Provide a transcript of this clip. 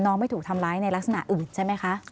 ไม่ถูกทำร้ายในลักษณะอื่นใช่ไหมคะ